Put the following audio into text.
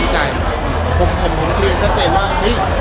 ใครต้องการทุกอย่าง